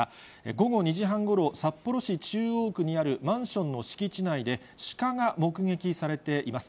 午後２時半ごろ、札幌市中央区にあるマンションの敷地内で、シカが目撃されています。